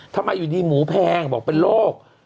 ทำไมอยู่ดีหมูแพงบอกเป็นโรค